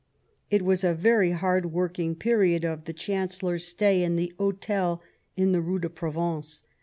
It was a very hard working period of the Chan cellor's stay in the Hotel in the Rue de Provence.